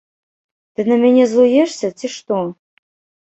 Ты на мяне злуешся, ці што?